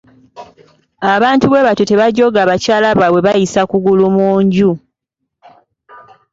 Abantu bwe batyo tebajooga bakyala baabwe bayisa kugulu mu nju.